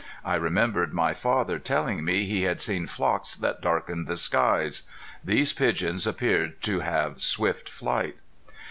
I remembered my father telling me he had seen flocks that darkened the skies. These pigeons appeared to have swift flight.